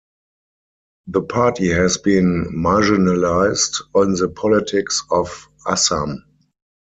The party has been marginalized in the politics of Assam.